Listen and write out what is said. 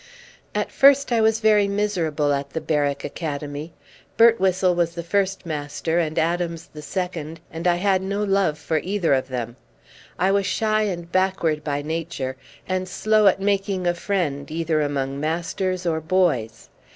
At first I was very miserable at the Berwick Academy. Birtwhistle was the first master, and Adams the second, and I had no love for either of them. I was shy and backward by nature, and slow at making a friend either among masters or boys.